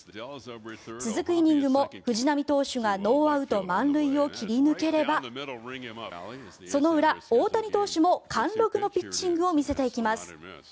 続くイニングも、藤浪投手がノーアウト満塁を切り抜ければその裏、大谷投手も貫禄のピッチングを見せていきます。